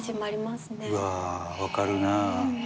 うわ分かるな。